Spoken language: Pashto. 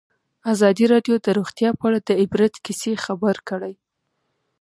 ازادي راډیو د روغتیا په اړه د عبرت کیسې خبر کړي.